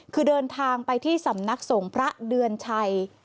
คือเดินทางไปที่สำนักสงฆ์พระเดือนชัย